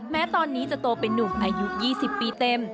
แม้ตอนนี้จะโตเป็นนุ่มอายุ๒๐ปีเต็ม